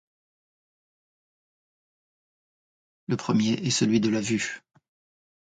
Le premier est celui de la vue.